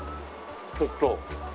ちょっと。